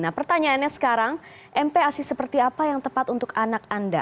nah pertanyaannya sekarang mpac seperti apa yang tepat untuk anak anda